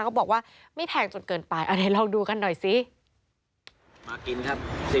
เขาบอกว่าไม่แทงจนเกินไปเอาไหนลองดูกันหน่อยสิ